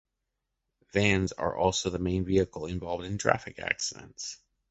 Vans are also the main vehicles involved in traffic accidents.